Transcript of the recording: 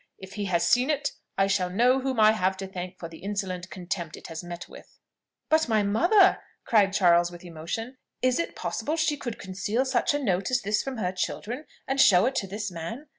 If he has seen it, I shall know whom I have to thank for the insolent contempt it has met with." "But my mother!" cried Charles with emotion. "Is it possible that she could conceal such a note as this from her children, and show it to this man?